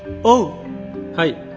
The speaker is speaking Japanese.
はい。